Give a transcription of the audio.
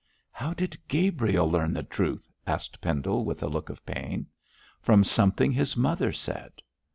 'How did Gabriel learn the truth?' asked Pendle, with a look of pain. 'From something his mother said.'